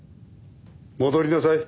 戻りなさい。